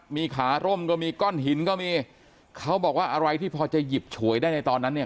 มีขาร่มก็มีก้อนหินก็มีเขาบอกว่าอะไรที่พอจะหยิบฉวยได้ในตอนนั้นเนี่ย